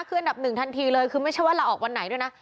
คืออันดับหนึ่งทันทีเลยคือไม่ใช่ว่าลาออกวันไหนด้วยนะ